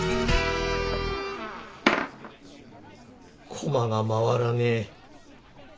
コマが回らねえ。